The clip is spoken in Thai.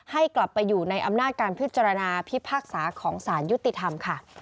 ให้กลับไปอยู่ในอำนาจการพิจารณาพิพากษาของสารยุติธรรมค่ะ